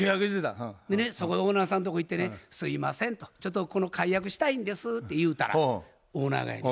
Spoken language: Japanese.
でねオーナーさんとこへ行ってね「すいません」と「ちょっとここの解約したいんです」って言うたらオーナーがやね。